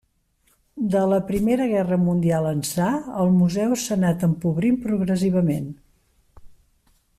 De la Primera Guerra Mundial ençà, el museu s'ha anat empobrint progressivament.